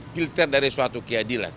filter dari suatu keadilan